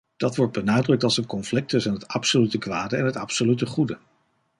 Dat wordt benadrukt als een conflict tussen het absolute kwade en het absolute goede.